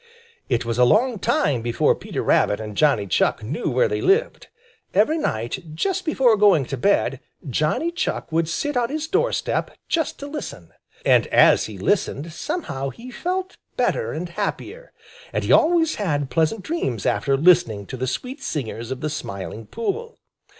It was a long time before Peter Rabbit and Johnny Chuck knew where they lived. Every night just before going to bed, Johnny Chuck would sit on his door step just to listen, and as he listened somehow he felt better and happier; and he always had pleasant dreams after listening to the sweet singers of the Smiling Pool.